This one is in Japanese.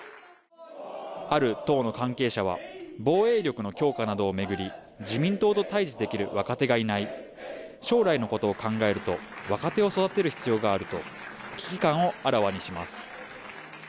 ある党の関係者は、防衛力の強化などを巡り、自民党と対峙できる若手がいない、将来のことを考えると若手を育てる必要があると危機感をあらわにします。